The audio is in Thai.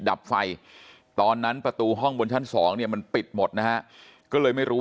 ดับไฟตอนนั้นประตูห้องบนชั้นสองเนี่ยมันปิดหมดนะฮะก็เลยไม่รู้